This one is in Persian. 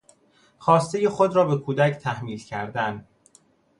خواستهی خود رابه کودک تحمیل کردن